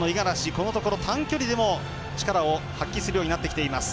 このところ短距離でも力を発揮するようになっています。